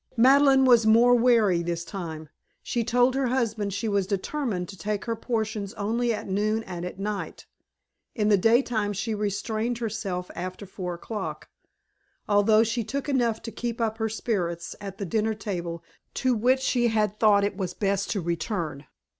Madeleine was more wary this time. She told her husband she was determined to take her potions only at noon and at night; in the daytime she restrained herself after four o'clock, although she took enough to keep up her spirits at the dinner table to which she had thought it best to return.